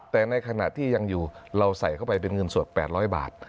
แต่ในขณะที่ยังอยู่เราใส่เข้าไปเป็นเงินสด๘๐๐บาท